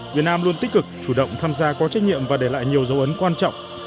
việt nam luôn tích cực chủ động tham gia có trách nhiệm và để lại nhiều dấu ấn quan trọng